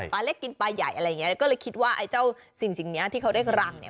ปลาเล็กกินปลายใหญ่อะไรอย่างนี้ก็เลยคิดว่าเจ้าสิ่งนี้ที่เขาได้รัง